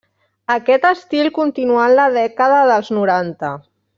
Aquest estil continuà en la dècada dels noranta.